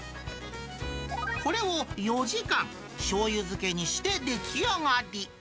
これを４時間、しょうゆ漬けにして出来上がり。